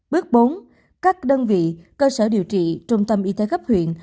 bước bốn các đơn vị cơ sở điều trị trung tâm y tế cấp huyện